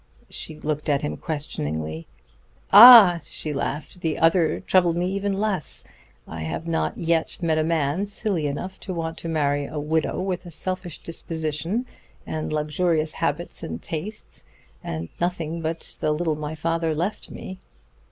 She looked at him questioningly. "Ah!" she laughed. "The other kind trouble me even less. I have not yet met a man silly enough to want to marry a widow with a selfish disposition, and luxurious habits and tastes, and nothing but the little my father left me."